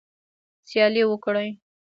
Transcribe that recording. سیالي وکړئ